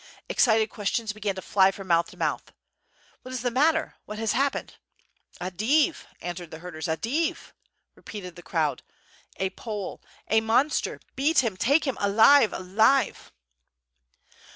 Excited questions began to fly from mouth to mouth. "What is the matter, what has happened?" "A divr answered the herders. "A div!" re peated the crowd, *^a Pole, a monster, beet him, take him alive, alive."